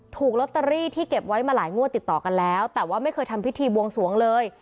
ถูกลอตเตอรี่ที่เก็บไว้มาหลายงวดติดต่อกันแล้วแต่ว่าไม่เคยทำพิธีบวงสวงเลย